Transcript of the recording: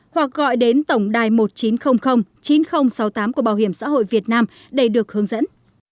ba hoặc gọi đến tổng đài một chín không không chín không sáu tám của bảo hiểm xã hội việt nam để được hướng dẫn